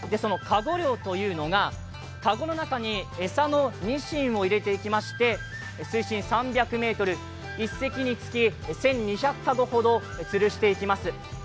かご漁というのが、かごの中に餌のにしんを入れていきまして水深３００ｍ、１隻につき１２００かごほどつるしていきます。